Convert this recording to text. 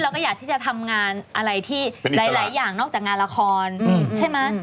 เราก็อยากที่จะทำงานอะไรที่หลายอย่างนอกจากงานละครใช่ไหม